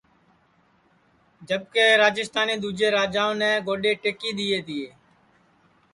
جب کہ راجیستانی دؔوجے راجاونے گودؔے ٹئکی دؔیئے تیے